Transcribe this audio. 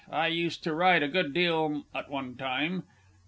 I used to ride a good deal at one time.